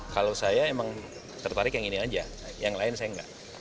kalau saya emang tertarik yang ini aja yang lain saya enggak